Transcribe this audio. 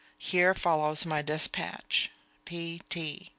Here follows my despatch. P. T.